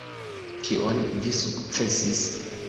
Tion vi sukcesis.